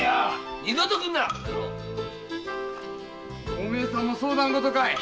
お前さんも相談事かい？